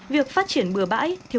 việc phát triển bừa bãi